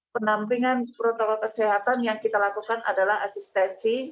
penampingan protokol kesehatan yang kita lakukan adalah asistensi